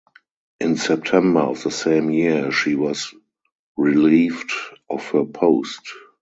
In September of the same year she was relieved of her post.